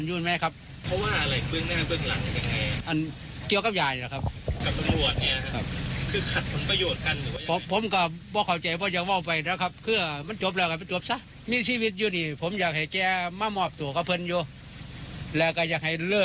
ในชีวิตอยู่ดีผมอยากให้แก้มาหมอบตัวเข้าพันธุ